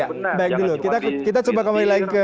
ya baik dulu kita coba kembali lagi ke